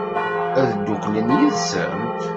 Ad dduklent yid-sent?